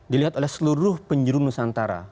dilihat oleh seluruh penjuru nusantara